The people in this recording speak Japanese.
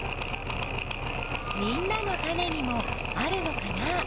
みんなのタネにもあるのかな？